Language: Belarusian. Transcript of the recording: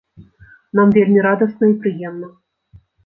Нам вельмі радасна і прыемна.